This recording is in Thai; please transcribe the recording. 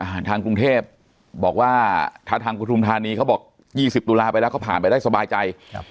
ทางกรุงเทพบอกว่าถ้าทางปฐุมธานีเขาบอกยี่สิบตุลาไปแล้วเขาผ่านไปได้สบายใจครับ